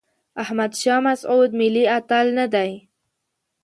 احمد شاه مسعود ملي اتل نه دی.